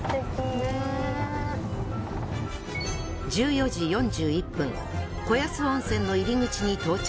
１４時４１分子安温泉の入り口に到着。